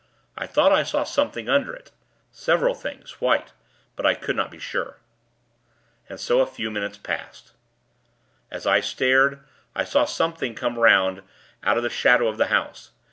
I thought I saw something under it several things, white; but I could not be sure. And so a few minutes passed. As I stared, I saw something come 'round, out of the shadow of the house.